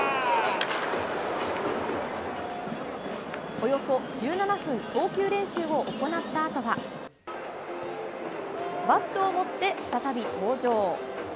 およそ１７分投球練習を行ったあとは、バットを持って再び登場。